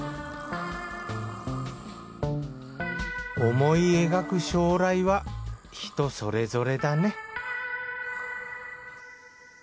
思い描く将来は人それぞれだね